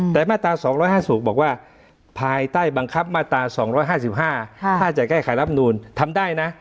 แต่มาตรา๒๕๐บอกว่าภายใต้บังคับมาตรา๒๕๕ถ้าจะแก้ไขรับนูลทำได้นะ